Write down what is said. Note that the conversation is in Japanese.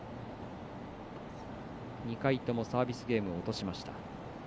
２回ともサービスゲームを落としました。